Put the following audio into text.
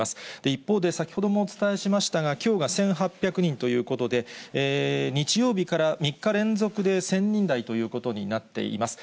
一方で、先ほどもお伝えしましたが、きょうが１８００人ということで、日曜日から３日連続で１０００人台ということになっています。